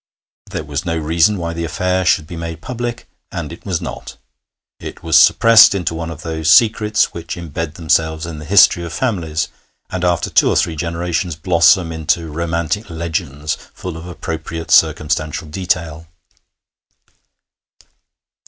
There was no reason why the affair should be made public, and it was not. It was suppressed into one of those secrets which embed themselves in the history of families, and after two or three generations blossom into romantic legends full of appropriate circumstantial detail.